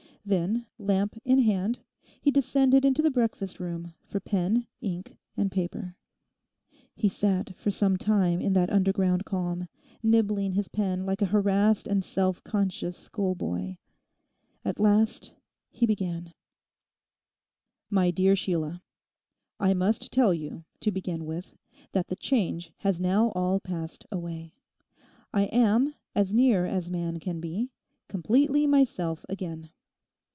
Then, lamp in hand, he descended into the breakfast room for pen, ink, and paper. He sat for some time in that underground calm, nibbling his pen like a harassed and self conscious schoolboy. At last he began: 'MY DEAR SHEILA,—I must tell you, to begin with, that the change has now all passed away. I am—as near as man can be—completely myself again.